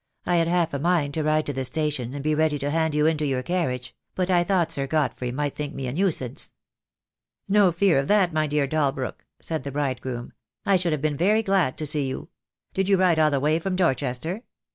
"I had half a mind to ride to the station and be ready to hand you into your carriage, but I thought Sir Godfrey might think me a nuisance." "No fear of that, my dear Dalbrook," said the bride groom. "I should have been very glad to see you. Did you ride all the way from Dorchester?"